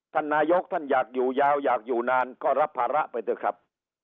ท่านนายกท่านอยากอยู่ยาวอยากอยู่นานก็รับภาระไปเถอะครับ